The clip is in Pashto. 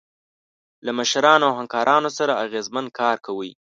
له مشرانو او همکارانو سره اغیزمن کار کوئ.